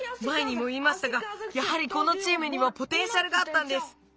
まえにもいいましたがやはりこのチームにはポテンシャルがあったんです。